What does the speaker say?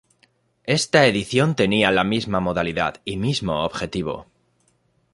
Esta edición tenía la misma modalidad y mismo objetivo.